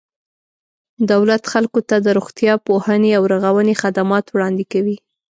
دولت خلکو ته د روغتیا، پوهنې او رغونې خدمات وړاندې کوي.